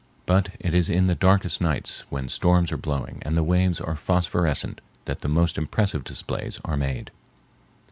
But it is in the darkest nights when storms are blowing and the waves are phosphorescent that the most impressive displays are made.